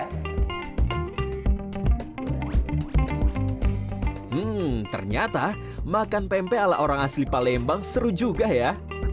hmm ternyata makan pempek ala orang asli palembang seru juga ya